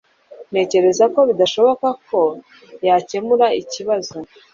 Ntekereza ko bidashoboka ko yakemura ikibazo